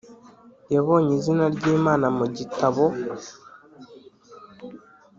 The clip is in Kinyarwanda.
Yabonye izina ry imana mu gitabo